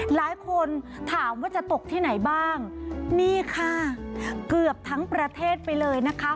หลายคนถามว่าจะตกที่ไหนบ้างนี่ค่ะเกือบทั้งประเทศไปเลยนะคะ